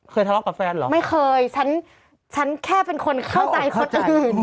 ทะเลาะกับแฟนเหรอไม่เคยฉันฉันแค่เป็นคนเข้าใจคนอื่น